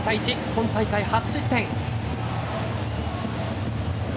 今大会、初失点。